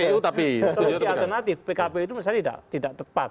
solusi alternatif pkpu itu menurut saya tidak tepat